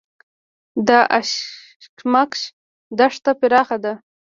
د اشکمش دښته پراخه ده